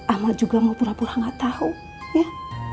amat juga mau pura pura gak tau ya